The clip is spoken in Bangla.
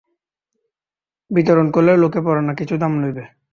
বিতরণ করলে লোকে পড়ে না, কিছু দাম লইবে।